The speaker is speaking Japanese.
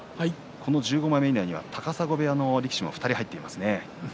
１５枚目以内には高砂部屋の力士も２人、入っていますね。